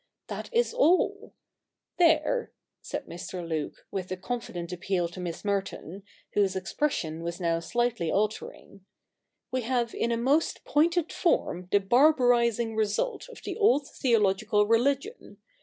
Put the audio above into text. That is all ! There,' said Mr. Luke, with a confident appeal to Miss Merton, whose expression was now slightly altering, ' we have in a most pointed form the barbarising results of the old theological religion.